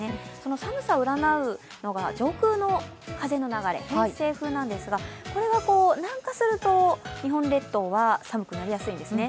寒さを占うのが上空の風の流れ、偏西風ですがこれが南下すると日本列島は寒くなりやすいんですね。